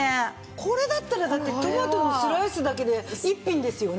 これだったらだってトマトのスライスだけで１品ですよね。